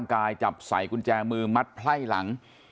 กายจับใส่กุญแจมือมัดไพ่หลัง